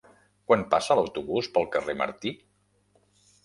Quan passa l'autobús pel carrer Martí?